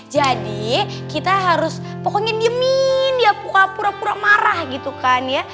jadi kita harus pokoknya diemin dia pura pura marah gitu kan ya